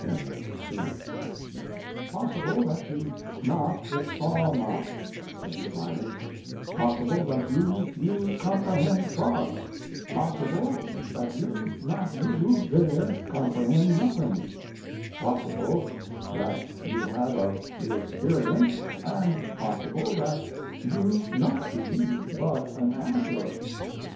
M. T.) "Possible that you not it saw not," said Smiley; "possible that you you comprehend frogs; possible that you not you there comprehend nothing; possible that you had of the experience, and possible that you not be but an amateur.